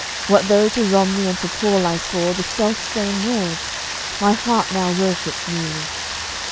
What though to Romney and to Paul I swore The self same words; my heart now worships newly.